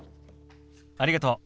ありがとう。